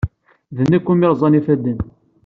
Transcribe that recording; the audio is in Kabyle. D nekk umi rrẓen yifadden.